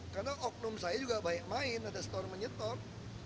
karena oknum saya juga baik main ada setor menyetor